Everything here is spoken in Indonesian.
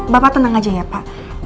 bapak tenang aja ya pak